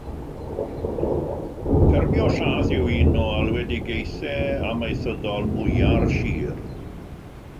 Ffermio llaeth yw un o alwedigaethau amaethyddol mwyaf y sir.